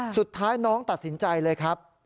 สุดท้ายน้องตัดสินใจเลยครับ